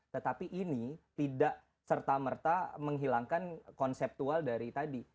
tetapi ini tidak serta merta menghilangkan konseptual dari tadi